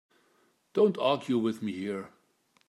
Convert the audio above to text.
Don't argue with me here.